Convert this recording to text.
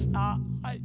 はい。